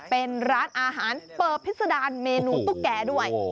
เป็นร้านอาหารเปิบพิษดารเมนูตุ๊กแก่ด้วย